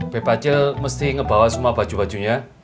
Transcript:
beb acil mesti ngebawa semua baju bajunya